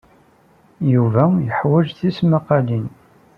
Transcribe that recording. Yuba yeḥwaj tismaqqalin.